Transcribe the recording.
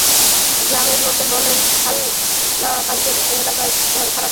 গ্রামের লোকজন বলেছেন, হামলাকারীরা এলাকায় নানা ধরনের খারাপ কাজ করে বেড়ায়।